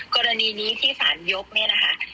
กรณีนี้ที่สารยกเนี่ยนะคะ